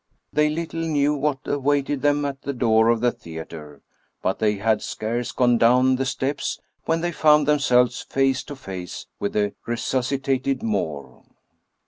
They little knew what avraited them at the door of the theater; but they had scarce gone down the steps when they found themselves face to face with the " resuscitated Moor."